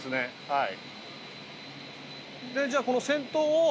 はい。